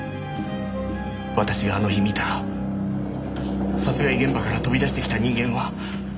私があの日見た殺害現場から飛び出してきた人間は。